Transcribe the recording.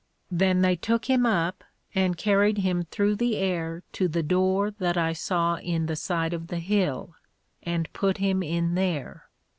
Then they took him up, and carried him through the air to the door that I saw in the side of the Hill, and put him in there.